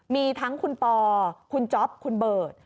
มีทั้งคุณปอคุณจ๊อปคุณเบิร์ต